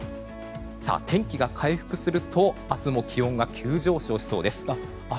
天気が回復すると明日も気温が急上昇しそうです。